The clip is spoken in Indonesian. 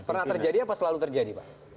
pernah terjadi apa selalu terjadi pak